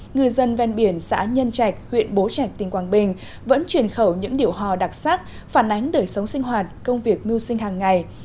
người dân ven biển xã nhân trạch huyện bố trạch tỉnh quảng bình vẫn truyền khẩu những điệu hò đặc sắc phản ánh đời sống sinh hoạt công việc mưu sinh hàng ngày